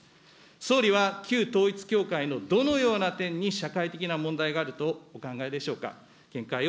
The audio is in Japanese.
総理は旧統一教会のどのような点に社会的な問題があるとお考えでしょうか。